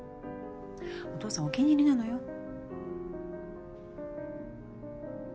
お父さんお気に入りなのよ。